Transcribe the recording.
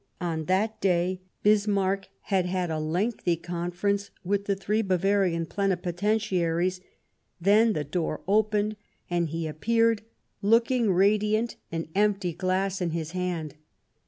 On that day Bismarck had had a lengthy Conference with the three Bavarian Pleni potentiaries ; then the door opened, and he ap 159 Bismarck peared, looking radiant, an empty glass in his hand.